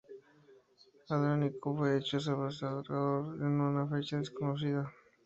Andrónico fue hecho "sebastocrátor" en una fecha desconocida.